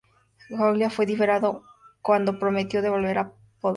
Jogaila fue liberado cuando prometió devolver a Podolia al Gran Ducado de Lituania.